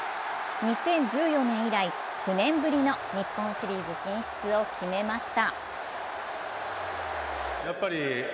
２０１４年以来、９年ぶりの日本シリーズ進出を決めました。